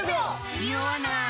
ニオわない！